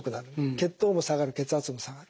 血糖も下がる血圧も下がる。